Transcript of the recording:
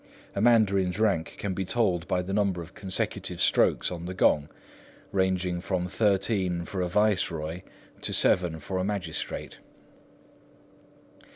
A mandarin's rank can be told by the number of consecutive strokes on the gong, ranging from thirteen for a viceroy to seven for a magistrate.